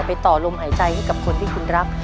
ต่อลมหายใจให้กับคนที่คุณรัก